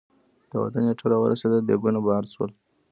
د واده نېټه را ورسېده ديګونه بار شول.